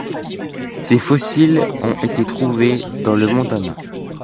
Ses fossiles ont été trouvés dans le Montana.